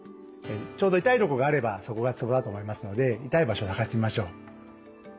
ちょうど痛いとこがあればそこがツボだと思いますので痛い場所を探してみましょう。